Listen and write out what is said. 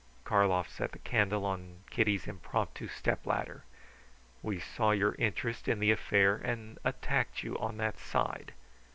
Karlov set the candle on Kitty's impromptu stepladder. "We saw your interest in the affair, and attacked you on that side.